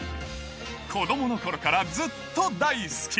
子どものころからずっと大好き。